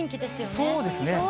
そうですね。